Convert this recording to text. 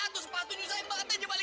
itu sepatunya saya balik lagi